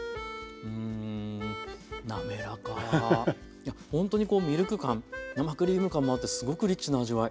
いやほんとにこうミルク感生クリーム感もあってすごくリッチな味わい。